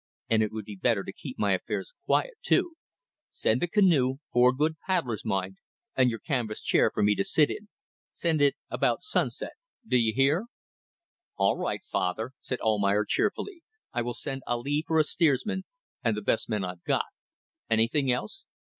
And it would be better to keep my affairs quiet, too. Send the canoe four good paddlers, mind, and your canvas chair for me to sit in. Send it about sunset. D'ye hear?" "All right, father," said Almayer, cheerfully "I will send Ali for a steersman, and the best men I've got. Anything else?"